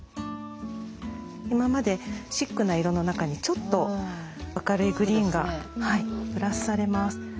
今までシックな色の中にちょっと明るいグリーンがプラスされます。